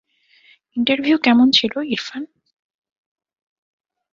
Interview কেমন ছিল, ইরফান?